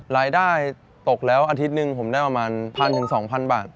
รายได้ตกแล้วอาทิตย์หนึ่งผมได้ประมาณ๑๐๐๒๐๐บาท